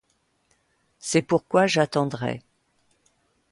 C'est pôurquoi j'attendrai.